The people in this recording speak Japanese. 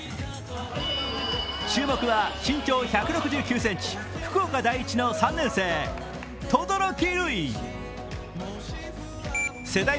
注目は身長１６９ｃｍ、福岡第一の３年生、轟琉維。